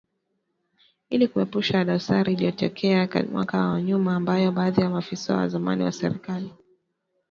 ili kuepusha dosari iliyotekea miaka ya nyuma ambapo baadhi ya maafisa wa zamani wa serikali